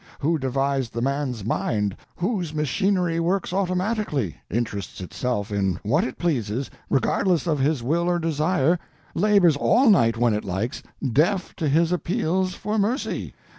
Who devised the man's mind, whose machinery works automatically, interests itself in what it pleases, regardless of its will or desire, labors all night when it likes, deaf to his appeals for mercy?